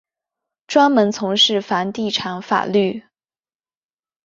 专门从事房地产法律。